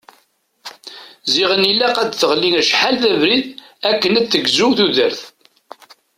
Ziɣen ilaq ad teɣli acḥal d abrid akken ad tegzu tudert.